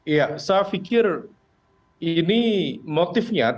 ya saya pikir ini motifnya